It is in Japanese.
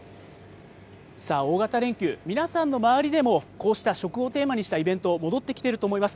大型連休、皆さんの周りでも、こうした食をテーマにしたイベント、戻ってきていると思います。